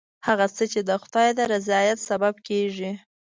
هغه څه چې د خدای د رضایت سبب کېږي.